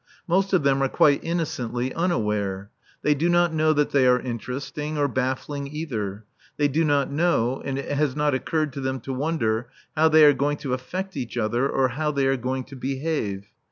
Most of them are quite innocently unaware. They do not know that they are interesting, or baffling either. They do not know, and it has not occurred to them to wonder, how they are going to affect each other or how they are going to behave.